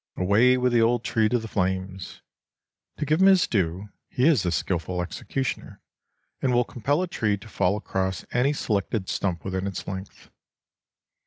Away with the old tree to the flames! To give him his due, he is a skillful executioner, and will compel a tree to fall across any selected stump within its length.